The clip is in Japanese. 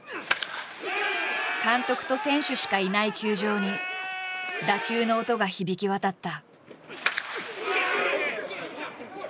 監督と選手しかいない球場に打球の音が響き渡った。